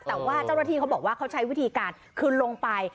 แต่ว่าเจ้าหน้าที่เขาบอกว่าเขาใช้วิธีการคือลงไป